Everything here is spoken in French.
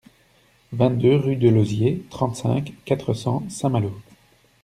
vingt-deux rue de Lozier, trente-cinq, quatre cents, Saint-Malo